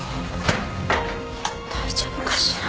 大丈夫かしら。